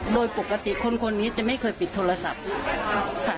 โดยปกติคนนี้จะไม่เคยปิดโทรศัพท์ค่ะ